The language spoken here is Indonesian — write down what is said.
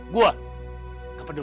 gue nggak peduli